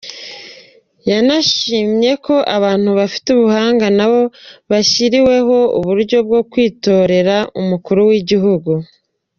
Yanashimye ko abantu bafite ubumuga nabo bashyiriweho uburyo bwo kwitorera Umukuru w’Igihugu.